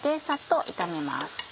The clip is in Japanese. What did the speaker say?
サッと炒めます。